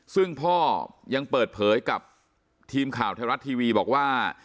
ซึ่งพ่อยังเปิดเผยกับทีมข่าวไทยรัฐทีวีบอกว่า